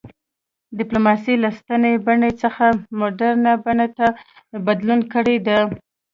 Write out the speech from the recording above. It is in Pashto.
ډیپلوماسي له سنتي بڼې څخه مډرنې بڼې ته بدلون کړی دی